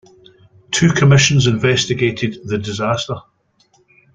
Two commissions investigated the disaster.